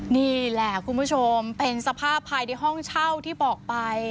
นี่แหละคุณผู้ชมเป็นสภาพภายในห้องเช่าที่บอกไป